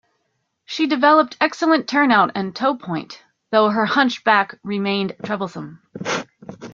She developed excellent turnout and toe point, though her hunched back remained troublesome.